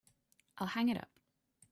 I'll hang it up.